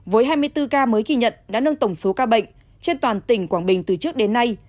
với hai mươi bốn ca mới ghi nhận đã nâng tổng số ca bệnh trên toàn tỉnh quảng bình từ trước đến nay